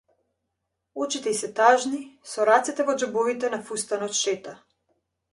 Очите ѝ се тажни, со рацете во џебовите на фустанот шета.